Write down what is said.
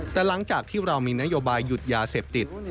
แต่หลังจากที่เรามีนโยบายหยุดยาเสพติด